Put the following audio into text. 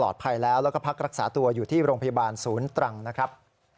แล้วแล้วก็พักรักษาตัวอยู่ที่โรงพยาบาลศูนย์ตรังนะครับ